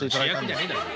主役じゃねえだろ。